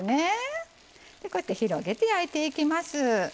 こうやって広げて焼いてきます。